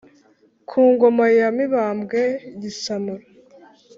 ku ngoma ya mibambwe gisanura.